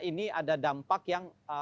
ini ada dampak yang